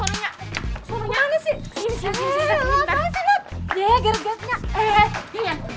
kok kayaknya lebih sayang dia daripada nadia